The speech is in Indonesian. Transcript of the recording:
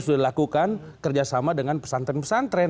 sudah dilakukan kerjasama dengan pesantren pesantren